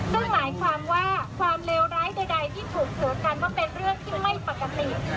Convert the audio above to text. ซึ่งหมายความว่าความเลวร้ายใดที่ถูกเถียงกันว่าเป็นเรื่องที่ไม่ปกติ